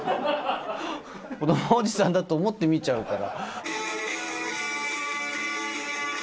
子どもおじさんだと思って見ちゃうから。